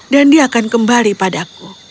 dan dia akan kembali padaku